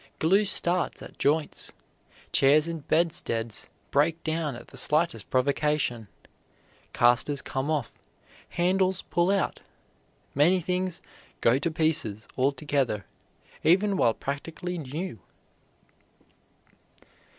Glue starts at joints, chairs and bedsteads break down at the slightest provocation, castors come off, handles pull out, many things "go to pieces" altogether, even while practically new.